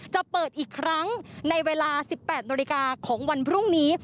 จะเปิดอีกครั้งในเวลา๑๘นาฬิกาของวันพรุ่งนี้